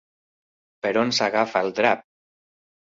Per on s'agafa el drap?